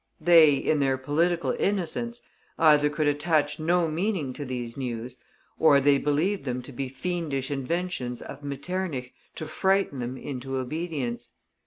They, in their political innocence, either could attach no meaning to these news, or they believed them to be fiendish inventions of Metternich, to frighten them into obedience.